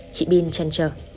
chị pin trăn trở